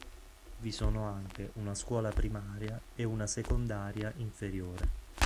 Vi sono anche una scuola primaria e una secondaria inferiore.